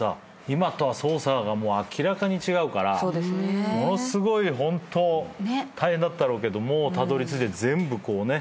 今とは捜査が明らかに違うからものすごいホント大変だったろうけどたどりついて全部こうね。